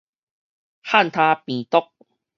漢他病毒